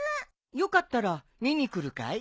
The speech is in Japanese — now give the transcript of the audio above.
よかったら見に来るかい？